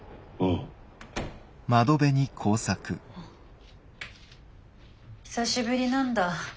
あ久しぶりなんだ